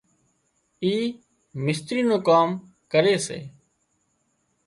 اي مستري نُون ڪام ڪري سي